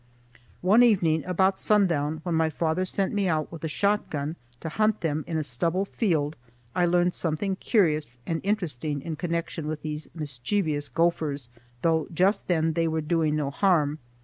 One evening about sundown, when my father sent me out with the shotgun to hunt them in a stubble field, I learned something curious and interesting in connection with these mischievous gophers, though just then they were doing no harm.